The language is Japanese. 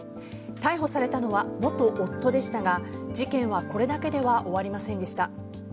逮捕されたのは元夫でしたが事件はこれだけでは終わりませんでした。